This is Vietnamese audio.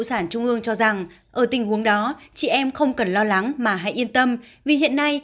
sản trung ương cho rằng ở tình huống đó chị em không cần lo lắng mà hãy yên tâm vì hiện nay